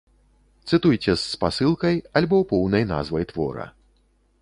Цытуйце з спасылкай альбо поўнай назвай твора.